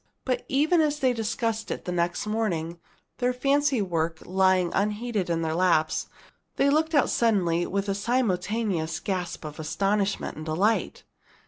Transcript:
But even as they sat discussing it next morning, their fancy work lying unheeded in their laps, they looked out suddenly with a simultaneous gasp of astonishment and delight.